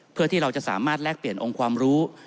เพื่อที่เราจะสามารถแลกเปลี่ยนองค์ความรู้